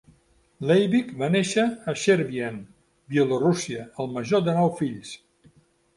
Leivick va néixer a Chervyen, Bielorússia, el major de nou fills.